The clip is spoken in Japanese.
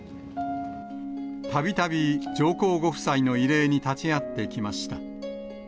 たびたび上皇ご夫妻の慰霊に立ち会ってきました。